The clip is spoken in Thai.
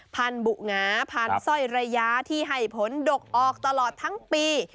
พันธุ์บุหงาพันธุ์สร้อยระยะที่ให้ผลดกออกตลอดทั้งปี